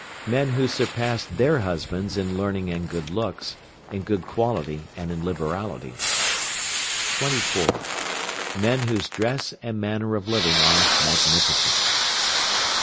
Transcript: Men who surpass their husbands in learning and good looks, in good quality, and in liberality. 24. Men whose dress and manner of living are magnificent.